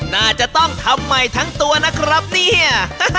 น่าจะต้องทำใหม่ทั้งตัวนะครับเนี่ย